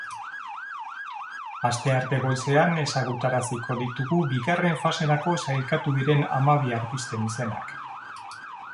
Astearte goizean ezagutaraziko ditugu bigarren faserako sailkatu diren hamabi artisten izenak.